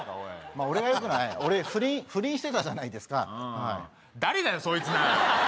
まあ俺がよくない俺不倫してたじゃないですか誰だよそいつなあ！？